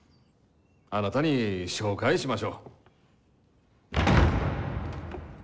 あなたに紹介しましょう。